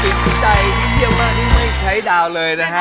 จิตใจที่เยี่ยมมากที่ไม่ใช้ดาวเลยนะฮะ